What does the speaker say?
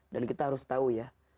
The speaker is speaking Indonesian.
dan kita harus tahu ya